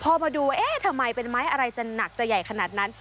พอมาดูเอ๊ะทำไมเป็นไม้อะไรจะหนักจะใหญ่ขนาดนั้น